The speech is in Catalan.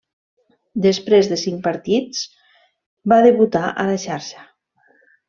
Després de cinc partits va debutar a la xarxa.